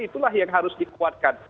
itulah yang harus dikuatkan